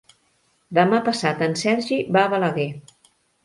Demà passat en Sergi va a Balaguer.